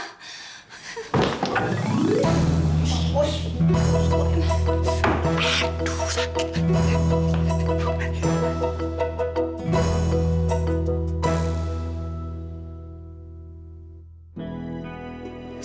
aduh sakit banget